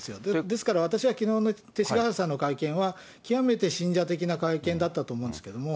ですから私はきのうの勅使河原さんの会見は、極めて信者的な会見だったと思うんですけれども。